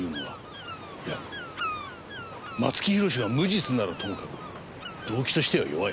いや松木弘が無実ならともかく動機としては弱い。